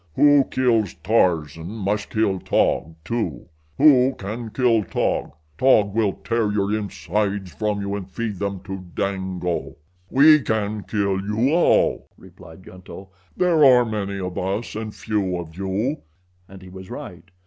"Who kills Tarzan must kill Taug, too. Who can kill Taug? Taug will tear your insides from you and feed them to Dango." "We can kill you all," replied Gunto. "There are many of us and few of you," and he was right.